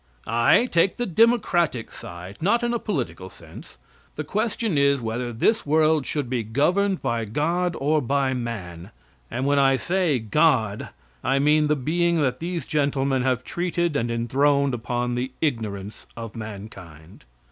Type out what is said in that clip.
I take the democratic side, not in a political sense. The question is, whether this world should be governed by God or by man; and when I say "God" I mean the being that these gentlemen have treated and enthroned upon the ignorance of mankind.